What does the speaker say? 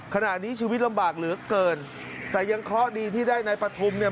ขณะนี้ชีวิตลำบากเหลือเกินแต่ยังเคราะห์ดีที่ได้นายปฐุมเนี่ย